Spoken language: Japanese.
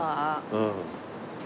うん。